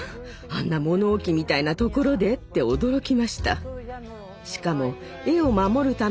あんな物置みたいな所で？って驚きました。